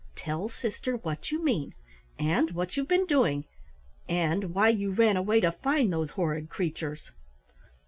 "Tell sister what you mean, and what you've been doing and why you ran away to find those horrid creatures!"